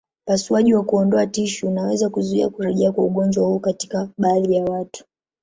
Upasuaji wa kuondoa tishu unaweza kuzuia kurejea kwa ugonjwa huu katika baadhi ya watu.